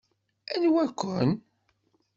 Anwa-ken?